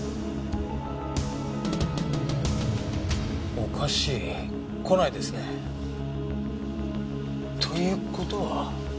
おかしい来ないですね。という事は。